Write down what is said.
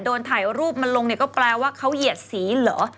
โดนถ่ายรูปมาลงก็แปลว่าเขาเหยียดสีเหรอ